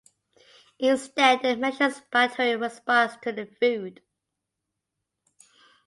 Instead, it measures a bacterial response to the food.